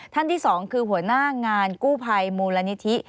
ท่านที่สองคือหัวหน้างานกู้ภัยมูลณิธิ